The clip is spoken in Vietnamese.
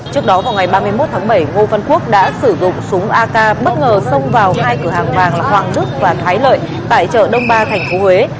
trước đó vào ngày ba mươi một tháng bảy ngô văn quốc đã sử dụng súng ak bất ngờ xông vào hai cửa hàng vàng hoàng trúc và thái lợi tại chợ đông ba tp huế